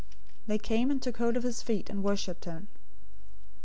They came and took hold of his feet, and worshiped him.